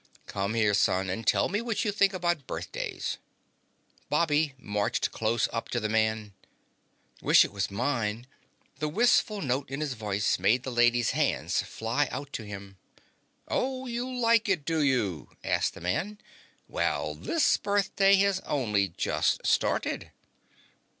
"Come here, son, and tell me what you think about birthdays." Bobby marched close up to the man. "Wish it was mine." The wistful note in his voice made the lady's hands fly out to him. "Oh, you like it, do you?" asked the man. "Well, this birthday has only just started."